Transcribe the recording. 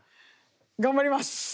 頑張ります。